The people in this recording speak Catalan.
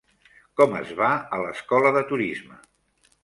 Com es va a l'escola de turisme?